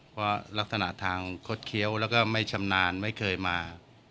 เพราะลักษณะทางคดเคี้ยวแล้วก็ไม่ชำนาญไม่เคยมา